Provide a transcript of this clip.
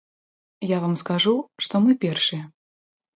Я вам скажу, што мы першыя.